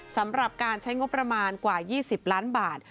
สำหรับการใช้งบประมาณกว่า๒๐ล้านบาท